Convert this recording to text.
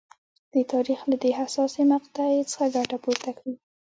د تاریخ له دې حساسې مقطعې څخه ګټه پورته کړي.